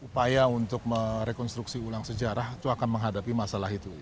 upaya untuk merekonstruksi ulang sejarah itu akan menghadapi masalah itu